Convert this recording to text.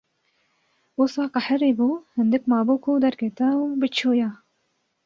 Wisa qehirîbû, hindik mabû ku derketa û biçûya.